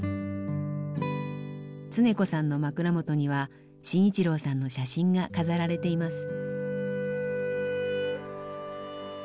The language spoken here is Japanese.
恒子さんの枕元には信一郎さんの写真が飾られています。